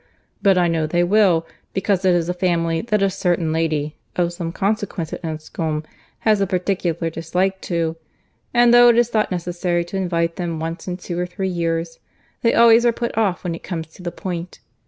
But I know they will, because it is a family that a certain lady, of some consequence, at Enscombe, has a particular dislike to: and though it is thought necessary to invite them once in two or three years, they always are put off when it comes to the point.